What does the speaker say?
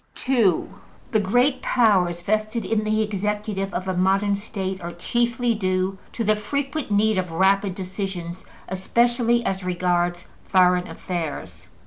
(2) The great powers vested in the executive of a modern State are chiefly due to the frequent need of rapid decisions, especially as regards foreign affairs.